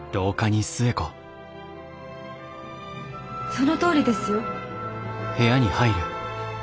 そのとおりですよ。